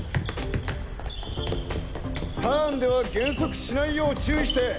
ターンでは減速しないよう注意して！